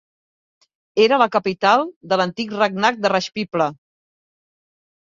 Era la capital de l"antic regnat de Rajpipla.